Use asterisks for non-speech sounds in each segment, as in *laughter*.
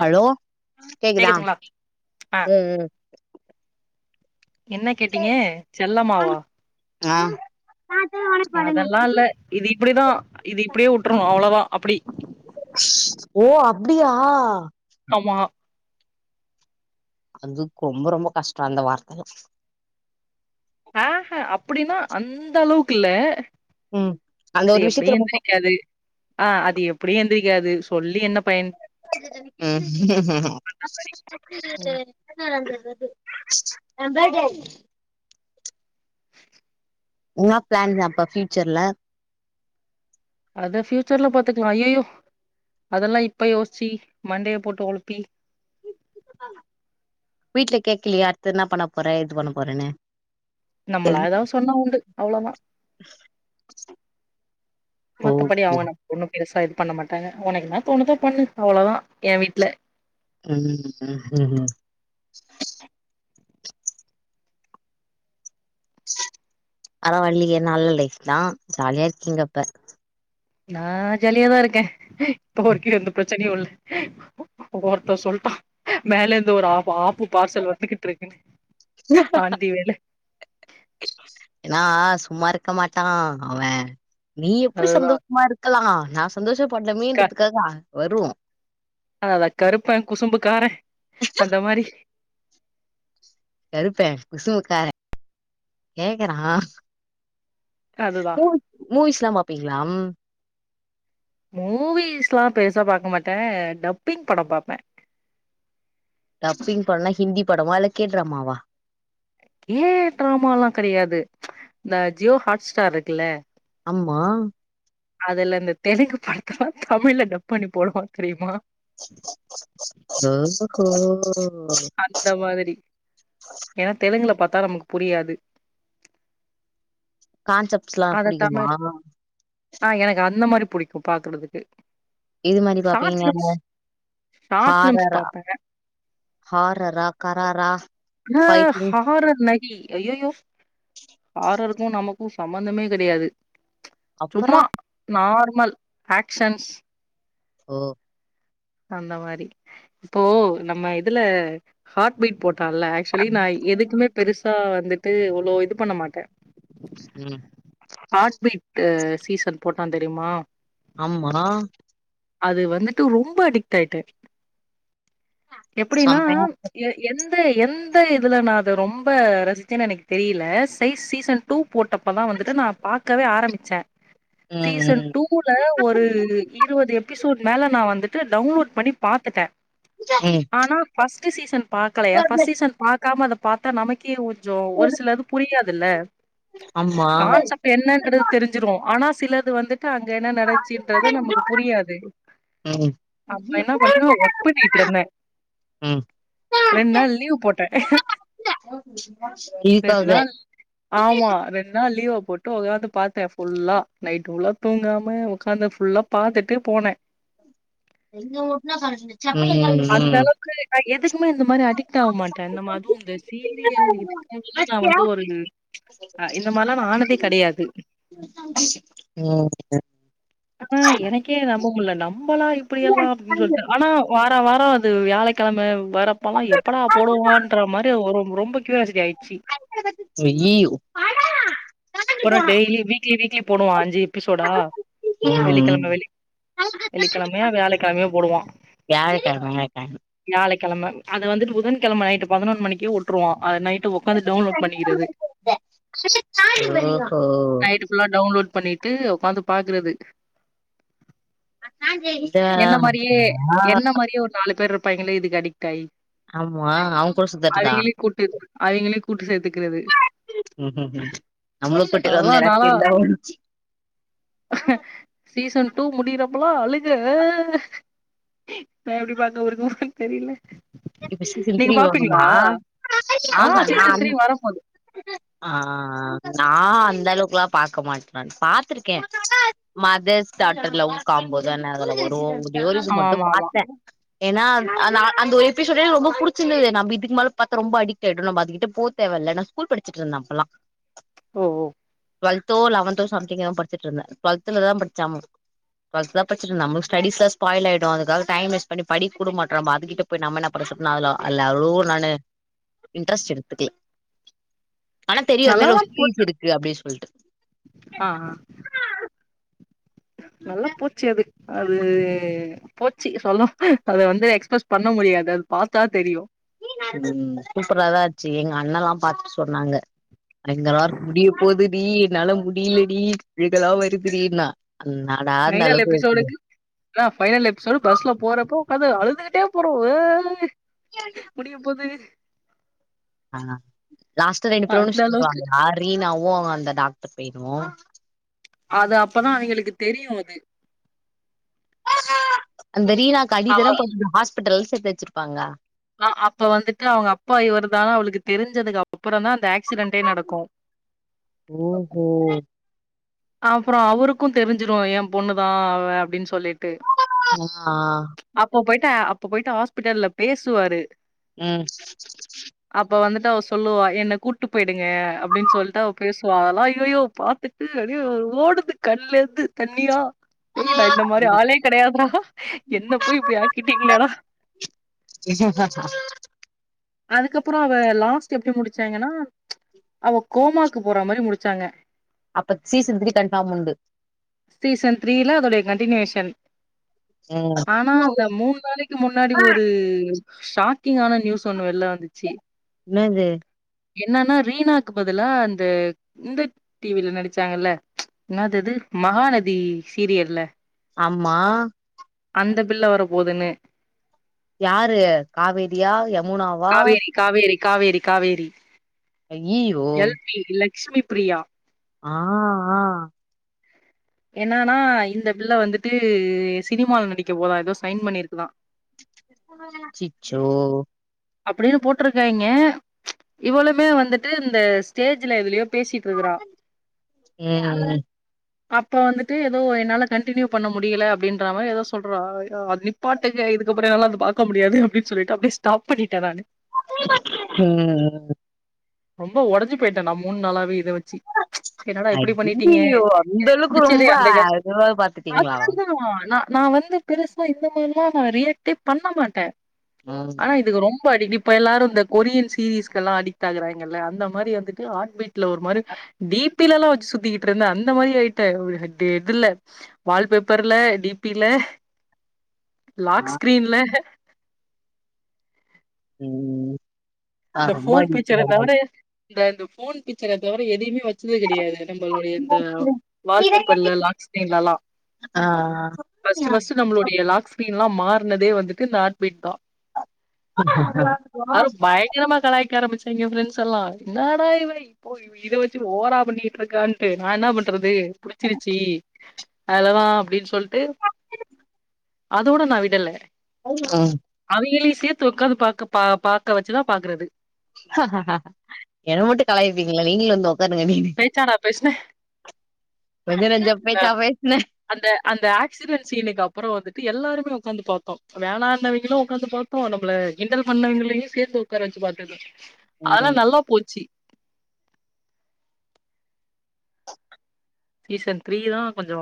Hello கேக்குதா ம் கேக்குதுங்களா ஆ ம் என்ன கேட்டீங்க செல்லம்மாவா *unintelligible* அதெல்லா இல்ல இது இப்டிதா இது இப்டியே உட்ருணு அவ்ளோதா அப்டி ஓ அப்டியா ஆமா அதுக்கு ரொம்ப ரொம்ப கஷ்டோ அந்த வார்த்தெல்லா ஆ ஹ அப்டின்னா அந்த அளவுக்கு இல்ல ம் அந்த அது ஒரு எப்டியு விஷயத்துல மட்டு எந்திரிக்காது ஆ அது எப்டி எழுந்திரிக்காது சொல்லி என்ன பயன் ம் ம் ம் என்ன என்ன பிளான் தான்ப்பா ஃப்யூச்சர்ல அத ஃபயூச்சர்ல பாத்துக்கலா அய்யயோ அதெல்லா இப்ப யோசிச்சு மண்டையா போட்டு ஒழப்பி வீட்டுல கேக்குலியா அடுத்து என்ன பண்ண போறே ஏது பண்ண போறேன்னு நம்மள ஏதாவ் சொன்னா உண்டு அவ்ளோதா ஓ ப்டி அவுங்க நம்ம ஒண்ணு பெருசா இது பண்ண மாட்டாங்க ஒனக்கு என்ன தோணுதோ பண்ணு அவ்ளோதா எ வீட்ல ம் *unintelligible* பரவால்லயே நல்ல லைஃப் தா ஜாலியா இருக்கீங்க அப்ப நா ஜாலியாதா இருக்கே இப்ப வரைக்கு எந்த ப்ரச்சனையு இல்ல ஒருத்த சொல்ட்டா மேலெந்து ஒரு ஆப் ஆப்பு பார்சல் வந்துகிட்டு இருக்குன்னு ஆண்டி வேல ஏன்னா சும்மா இருக்க மாட்டா அவே நீ எப்டி அதுதா சந்தோஷமா இருக்கலா நா சந்தோஷ படுனுமேன்றதுக்காக அ வரு அத அதா கருப்ப குசும்பு காரே அந்த மாரி கருப்பே குசும்புக்காரே கேக்கறா அதுதா மூ மூவிஸ்லா பாப்பீங்களா மூவிஸ்லா பெருசா பாக்க மாட்டே டப்பிங் படோ பாப்பே டப்பிங் படம்னா ஹிந்தி படமா இல்ல கே ட்ராமாவா ஏ ட்டிராமல்லா கெடையாது இந்த ஜியோ ஹாட்ஸ்டார் இருக்குல்ல ஆம்மா அதுல இந்த தெலுங்கு படத்தல்லா தமிழ்ல டப் பண்ணி போடுவா தெரியுமா ஓஹோ அந்த மாதிரி ஏன்னா தெலுங்குல பாத்தா நமக்கு புரியாது கான்செப்ட்ஸ்ஸுல்லா அத புடிக்குமா தமிழ் ஆ எனக்கு அந்த மாரி புடிக்கு பாக்குறதுக்கு இது மாரி ஷார்ட் பாப்பீங்க ஃபிலிம்ஸ் ஷார்ட் ஃபிலிம்ஸ் ஹாரர்ரா பாப்பே ஹாரர்ரா கரார அ ஹாரர் நகி அய்யயோ ஹாரர்ருக்கு நமக்கு சம்மந்தமே கடையாது சும்மா அப்பறம் நார்மல் ஆக்ஷன்ஸ் ஓ அந்த மாரி இப்போ நம்ம இதுல ஹாட் பீட் போட்டால ஆக்சுவலி நா எதுக்குமே பெருசா வந்துட்டு இவ்ளோ இது பண்ண மாட்டே ம் ஹாட்பீட்டு சீசன் போட்டா தெரிமா ஆமா அது வந்துட்டு ரொம்ப அடிக்ட் ஆய்ட்டே எப்புடின்னா செம்மையா இருக்கு. எ எந்த எந்த இதுல நா அத ரொம்ப ரசிச்சேன்னு எனக்கு தெரியில சைஸ் சீசன் டூ போட்டப்பதா வந்துட்டு நா பாக்கவே ஆரம்பிச்சே சீசன் ம் டூல ஒரு இருவது எப் எபிசோட் மேல நா வந்துட்டு டவுன்லோட் பண்ணி பாத்துட்டே ம் ஆனா ஃபஸ்ட்டு சீசன் பாக்கலயா ம் ஃபர்ஸ்ட் சீசன் பாக்காம அத பாத்தா நமக்கே ஒ கொஞ்சோ ஒரு சில இது புரியாதுல ஆமா கான்சப் டு என்னன்றது தெருஞ்சுரு ஆனா சிலது வந்துட்டு அங்க என்ன நடந்ச்சின்றது நமக்கு புரியாது ம் அப்ப என்ன பண்ணே ஒர்க் பண்ணிட்ருந்தே ம் ரெண்ட் நாள் லீவ் போட்டே ரெண் கீக்காத நாள் ஆமா ரெண்ட் நாள் லீவ போட்டு உக்காந்து பாத்தே ஃபுல்லா நைட்டு ஃபுல்லா தூங்காம உக்காந்து ஃபுல்லா பாத்துட்டு போனே ம் அந்த ம் அளவுக்கு நா எதுக்குமே இந்த மாரி அடிக்ட் ஆவ மாட்டே நம்ம அதுவு இந்த சீரியல் இதுக்கான்டிலா நா வந்து ஒரு அ இந்த மாரிலா நா ஆனதே கெடயாது ம் ஓகே ஆனா எனக்கே நம்ப முட்ல நம்மலா இப்டி எல்லா அப்டின் சொல்ட்டு ஆனா வா ன வாரோ அது வியாழகெழம வரப்போல்லா எப்படா போடுவான்ற மாரி ஒரு ரொம்ப கியூரியாசிட்டி ஆய்றுச்சி இங்க ஈ அப்பறோ டெய்லி வீக்லி வீக்லி போடுவா‌ அஞ்சு எபிசோடா ம் வெள்ளிக்கெழம வெள்ளி வெள்ளிக்கெழமயா வியாழக்கெழமையோ போடுவா வியாழக்கெழம வியாழக்கெழம வியாழக்கெழம அது வந்துட்டு புதன்கெழம நைட்டு பதினொன் மணிக்கே வுட்ருவா அது நைட்டு உக்காந்து டவுன்லோட் பண்ணிக்கிறது ஓ ஹோ நைட்டு ஃபுல்லா டவுன்லோட் பண்ணிட்டு உக்காந்து பாக்குறது இதா என்ன மாரியே என்ன மாரியே ஒரு நாலு பேரு இருப்பாய்ங்களே இதுக்கு அடி ட்டாயி ஆமா அவன் கூட சுத்தட்டுதா அவிங்களையு கூட்டு அவிங்களையு கூட்டு சேத்துக்கிறது ம் ம் அதெல்லா நாலா ம் சீசன் டூ முடியிறப்போலா‌ அழுக நா எப்டி பாத்த ஒரு மூன் தெரில இப்ப சீசன் நீங்க திரீ பாப்பீங்களா வரனுமா ஆ ஆ சீசன் த்ரீ வரப்போது ஆ நா அந்த அளவுக்லா பாக்க மாட்டே நானு பாத்ருக்கே மதர்ஸ் டார்டர் லவ் காம்போ தான அதுல வரு ஏதோ ஒரு சீன் ஆமா மட்டு ஆமா ஆமா பாத்தே ஏனா அது அந்த ஒய்ஃப் எபிசோடே எனக்கு ரொம்ப புடுச்சிருந்தது நம்ம இதுக்குமேல பாத்தா ரொம்ப அடிக்டாகிடு நம்ம அதுக்கிட்ட போ தேவயில்ல நா ஸ்கூல் படுச்சிட்ருந்தே அப்பல்லா ஓஓ டுவல்த்தோ லவன்த்தோ சம்திங்தா படுச்சுட்ருந்தே டுவெல்த்ல தா படுச்சே ஆமா டுவல்ததா படுச்சுட்ருந்தே நம்ம ஸ்டடிஸ்லா ஸ்பாய்ல் ஆய்ரு அதுக்காக டைம் வேஸ்ட் பண்ணி படிக் கூட மாட்றோ நம்ம அதுக்கிட்ட போய் நம்ம என்னப் அப்பறோ சட்டுன் ஆகு அதுல அவ்ளோ நானு இன்ட்ரெஸ்ட் எடுத்துக்கல ஆனா தெரியு அது மேல ஒரு ஸ்னீஜ் இருக்கு அப்டின் சொல்ட்டு அ ஆ நல்லா போச்சு அது அது போச்சு சொல்லோ அத வந்து எக்ஸ்பிரஸ் பண்ண முடியாது அது பார்த்தா தெரியூ ம் சூப்பராதா ஆச்சு எங்க அண்ணல்லா பார்த்துட்டு சொன்னாங்க எங்க எல்லாருக்கோ முடிய போதுடி என்னால முடியலடி அழுகலா வருதுன்னா அந்நாடா அந்த ஃபைனல் அளவுக்கு வர்தே எபிசோடுக்கு ஆ ஃபைனல் எபிசோடு பஸ்ல போறப்போ உக்காந்து அழுதுகிட்டே போறோ முடிய போது ஆ லாஸ்ட் ரெண்டு பேறு அந்த அளவுக்கு சேர்ந்துருவாங்களா ரீனாவும் அவங்க அந்த டாக்டர் பையனோ அது அப்பதா அவுங்களுக்கு தெரியூ அது அந்த ரீனாக்கு அவ அடிதான படுது ஹாஸ்பிட்டல்ல சேத்து வச்சிருப்பாங்க அ அப்ப வந்துட்டு அவங்க அப்பா இவர்தான அவளுக்கு தெரிஞ்சதுக்கு அப்புறம் தா அந்த ஆக்சிடென்டே நடக்கோ ஒ ஓ அப்புறோ அவருக்கூ தெரிஞ்சிரும் ஏன் பொண்ணுதா அப்படின்னு சொல்லிட்டு அ ஆ அப்ப போயிட்டு அப்ப போயிட்டு ஹாஸ்பிட்டல்ல பேசுவாரு ம் அப்ப வந்துட்டு அவெ சொல்லுவா என்னை கூட்டு போயிடுங்க அப்படின்னு சொல்லிட்டு அவெ பேசுவா அதெல்லாம ஐய்யய்யோ பார்த்துட்டு அப்படியே ஓடுது கண்லேர்ந்து தண்ணியா டேய் இந்த மாரி ஆளே கிடையாதுா என்ன போய் இப்டி ஆக்கிட்டீங்களேடா இ அதுக்கப்புறோ அவ லாஸ்ட் எப்படி முடிச்சாங்கன்னா அவ கோமாக்கு போற மாரி முடிச்சாங்க அப்ப சீசன் த்ரீ கன்ஃபார்ம் உண்டு சீசன் த்ரீல அதோடய கன்டினியூஷன் ஆனா ம் அந்த மூன் நாளைக்கு முன்னாடி ஒரு ஷாக்கிங்ஙான நியூஸ் ஒண்ணு வெள்ல வந்துச்சு ன்னாது என்னன்னா ரீனாக்கு பதிலா அந்த இந்த டி வில நடிச் சாங்கல்ல ன்னாதது மகாநதி சீரியல்ல ஆம்மா அந்த பிள்ள வர போதுன்னு யாரு காவேரியா யமுனாவா காவேரி காவேரி காவேரி காவேரி அய்யய்யோ எல் பி லக்சுமி பிரியா அ ஆ என்னன்னா இந்த பிள்ள வந்துட்டு சினிமாவ்ல நடிக்க போதா ஏதோ சைன் பண்ணியிருக்குதா அச்சச்சோ அப்படின்னு போட்டிருக்காங்க இவ்வளவுமே வந்துட்டு இந்த ஸ்டேஜ்ல எதுலயோ பேசிட்டு இருக்கிறா ம் ம் அப்ப வந்துட்டு ஏதோ என்னால கண்டினியூ பண்ண முடியல அப்படின்ற மாரி ஏதோ சொல்ற அத்லியூம் பாட்டுக்கு இதுக்கப்புறோ என்னால அத பாக்க முடியாது அப்படின்னு சொல்லிட்டு அப்படியே ஸ்டாப் பண்ணிட்டே நானூ ம் ம் ரொம்ப ஒடஞ்சி போயிட்டே மூன் நாளாவே இத வெச்சி அ ஐயோ *unintelligible* அந்த அளவுக்கு புடிச்சதே ரொம்ப அந்த கேஸ் அதுவாவது பாத்துட்டீங்களா நான் வந்து பெருசா இந்த மாதிரிமா நான் ரியாக்டே பண்ண மாட்டேன் ம் ஆனா இதுக்கு ரொம்ப அடிக்ட் இப்ப எல்லாரு இந்த கொரியன் சீரீஸ்கு எல்லா அடிக்ட் ஆகறாங்கல்ல அந்த மாரி வந்துட்டு ஆட் பீட் இல்ல ஒரு மாரி டி பி லல்லாம் வெச்சுட்டு சுத்திக்கிட்டு இருந்தன் அந்த மாரி ஆயிட்டன் ஒரு இதுல வால் பேப்பர்ல டி பில ஆ லாக் ஸ்கிரீன்ல ம் ஆ இந்த ரொம்ப ஃபோன் பிச்சர தவர அடிக்கிறார்கள். இந்த ஃபோன் பிச்சர தவிர வேற எதியுமே வெச்சது கெடையாது நம்மளுடைய இந்த வால்பேப்பர்ல லாக் ஸ்க்ரீன்லாலா ஆ. ஃபர்ஸ்ட் ம். ஃபர்ஸ்ட் நம்மளுடைய லாக்ஸ்கிரீன் லா மாற்னதே வந்துட்டு இந்த ஆர்ட் பீட் தா பயங்கரமா கலாய்க ஆரம்பிச்டாங்க என் ஃபெர்ண்ட்ஸ் என்னாடா இவ ஒ இவ இத வச்சு ஓவரா பண்ணிட்டு இருக்கான்ட்டு நா என்ன பண்றது புடிச்சிருச்சி அதலதாம் அப்டின்னு சொல்ட்டு அதோட நா விடல ஆ அவீங்கலியும் சேத்து உக்காந்து பா பாக்க வச்சுதா பாக்குறது என்ன மட்டும் கலாயிப்பீங்களா நீங்கலும் வந்து உட்காருங்க நீ பேச்சாடா பேசுன கொஞ்ச நெஞ்ச பேச்சா பேசுன அந்த அந்த அக்சிடென்ட் சீனுக்கு அப்புறோம் வந்துட்டு எல்லாருமே உக்காந்து பாப்போம் வேணானவைங்களும் உக்காந்து பாப்போ போம் நம்பள கிண்டல் பண்ணவைங்களையும் சேத்து உக்கார வச்சு பாக்குறது அதெல்லா ம். நல்லா போச்சி சீசன் த்ரீ தான் கொஞ்ஜோ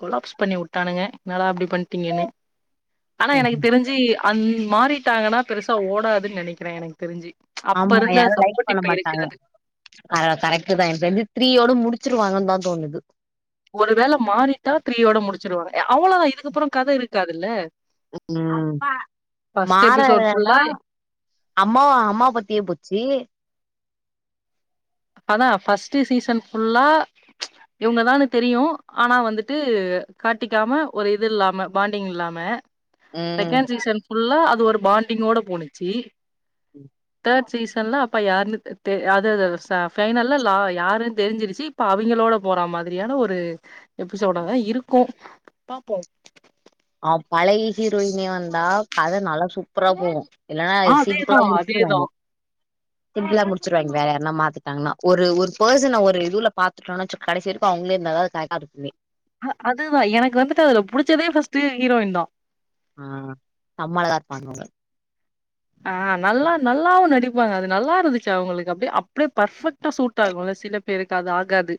கொலாப்ஸ் பண்ணி உட்டானுங்க இன்நாடா இப்டி பண்ட்டீங்கன்னு ஆனா எனக்கு தெரிஞ்சி அந் மாறிட்டாங்கனா பெருசா ஓடாதுன்னு நெனைக்கிறேன் எனக்கு தெரிஞ்சி ஆமா யாரும் லைக் பண்ண மாட்டாங்க ஆ கரெக்ட்தான் எனக்கு தெரிஞ்சு த்ரீ ஓட முடிச்சிருவாங்கனுதான் தோணுது ஒரு வேள மாறிட்டா த்ரீயோட முடிச்சிருவாங்க அவ்ளோவுதான் இதுக்கப்புறோ கத இருக்காதுல்ல ம் ஃபர்ஸ்ட் எபிசோட் மாறலனா ஃபுல்லா அம்மாவு அம்மா பத்தியே போச்சி அதான் ஃபர்ஸ்ட்டு சீசன் ஃபுல்லா இவங்க தானு தெரியும் ஆனா வந்துட்டு காட்டிக்காம ஒரு இது இல்லாம பாண்டிங் இல்லாம ம். செகண்ட் சீசன் ஃபுல்லா அது ஒரு பாண்டிங் ஓட போணச்சி தேர்ட் சீசன்லா அப்பா யாருனு தெரி *unintelligible* ஃபைனல்ல லா யாருன்னு தெரிஞ்சிருச்சி இப்ப அவிங்களோட போற மாதிரியான ஒரு எப்பிசோடாதான் இருக்கோம் பாப்போம் அவ பலைய ஹீரோயினே வந்தா கத நல்லா சூப்பரா போகும் இல்லனா ஆ இது அதேதா சிம்ப்பிள்ளா அதேதா முடிச்சிருவாங்க சிம்புளா முடிச்சிருவாங்க வேற யாருனா மாத்திட்டாங்கனா ஒரு ஒரு பெர்சன்ன ஒரு இதுல பாத்துடோனு வெச் கடைசி வரைக்கும் அவங்களே இருந்ததான் கரெக்ட்டா இருக்குமே அ அதுதா எனக்கு வந்துட்டு அது புடிச்சதே ஃபர்ஸ்ட்டு ஹீரோயின் தா ஆ சம்ம அழகா இருப்பாங்க அவுங்க ஆ நல்லா நல்லாவு நடிப்பாங்க அது நல்லா இருந்துச்சு அவுங்களுக்கு அப்டியே அப்படியே பர்ஃபெக்ட் க்ட்டா சூட் ஆகுல சில பேருக்கு அது ஆகாது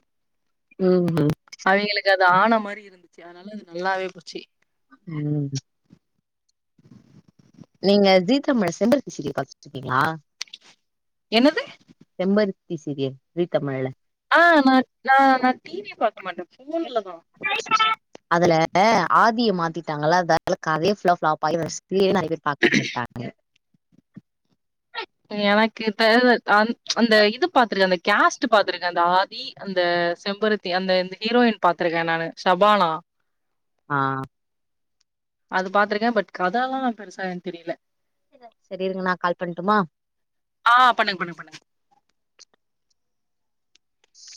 ம் ம் அவிங்களுக்கு அது ஆன மாரி இருந்துச்சி அதனால அது நல்லாவே போச்சி ம் நீங்க ஜீ தமிழ் செம்பருத்தி சீரியல் பாத்துட்டு இருக்கீங்களா என்னது செம்பருத்தி சீரியல் சீ தமிழ்ல ஆ நா நா நா டிவிய பாக்க மாட்ட அதுல ஆதிய மாத்திட்டாங்கள அதனால கதயே ஃபுள்ள ஃபளாப் ஆகி அத்த சீரியல நிறைய பேர் பாக்காம உட்டாங்க எனக்கு இந்த அந் அந்த இது பாத்திருக்க அந்த கேஸ்ட் பாத்துருக்கே அந்த ஆதி அந்த செம்பருத்தி அந்த இந்த ஹீரோயின் பாத்திருக்கேன் நானு ஷபானா ஆ அது பாத்திருக்கேன் பட் கதாலான் பெருசா எனக் தெரியல செரி இருங்க நா கால் பண்ணட்டுமா ஆ பண்ணுங்க பண்ணுங்க பண்ணு ஸ்